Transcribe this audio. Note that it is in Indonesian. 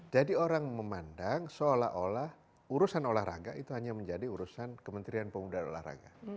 jadi orang memandang seolah olah urusan olahraga itu hanya menjadi urusan kementerian pemuda olahraga